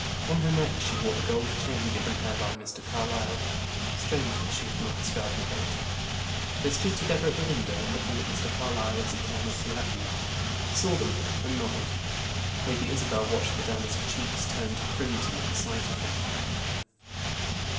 On her neck she wore the gold chain given her by Mr. Carlyle strange that she had not discarded that. They stood together at the window, looking at Mr. Carlyle as he came up the avenue. He saw them, and nodded. Lady Isabel watched the damask cheeks turn to crimson at sight of him.